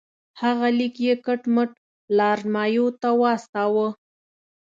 هغه لیک یې کټ مټ لارډ مایو ته واستاوه.